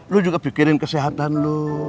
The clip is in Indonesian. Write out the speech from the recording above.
lu juga pikirin kesehatan lo